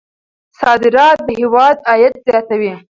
صادرات د هېواد عاید زیاتوي.